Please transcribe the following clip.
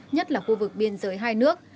nhất là khu vực biên giới hai nước